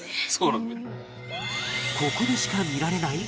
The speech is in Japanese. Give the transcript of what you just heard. ここでしか見られない？